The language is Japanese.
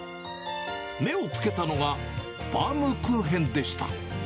目をつけたのがバウムクーヘンでした。